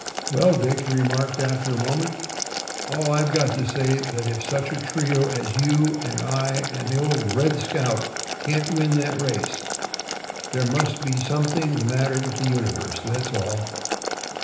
"Well, Dick," he remarked after a moment, "all I've got to say is that if such a trio as you and I and the old 'Red Scout' can't win that race, there must be something the matter with the universe, that's all."